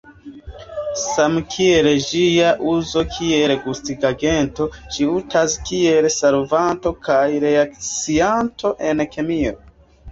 Samkiel ĝia uzo kiel gustigagento, ĝi uzatas kiel solvanto kaj reakcianto en kemio.